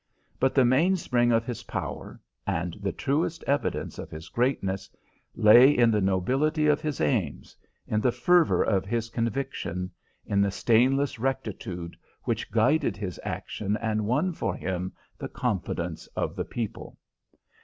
But the mainspring of his power, and the truest evidence of his greatness, lay in the nobility of his aims, in the fervour of his conviction, in the stainless rectitude which guided his action and won for him the confidence of the people.